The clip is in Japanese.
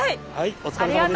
お疲れさまでした。